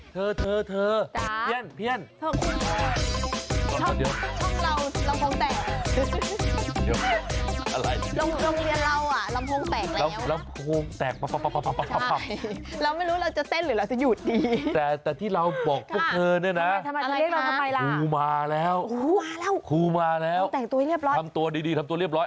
ช่วงนี้เธอเธอเธอ